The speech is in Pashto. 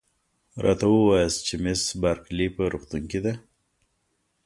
راته ووایاست چي مس بارکلي په روغتون کې ده؟